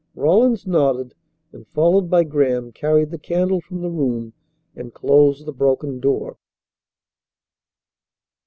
Rawlins nodded and, followed by Graham, carried the candle from the room and closed the broken door.